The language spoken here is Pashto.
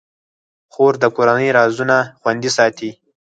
خور د کورنۍ رازونه خوندي ساتي.